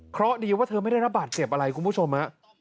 เพราะดีว่าเธอไม่ได้รับบาดเจ็บอะไรคุณผู้ชมฮะ